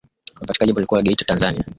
kutoka Jimbo Katoliki la Geita Tanzania